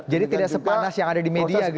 jadi tidak sepanas yang ada di media gitu pak ya